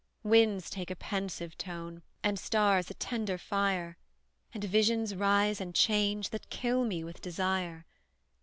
Winds take a pensive tone, and stars a tender fire, And visions rise, and change, that kill me with desire.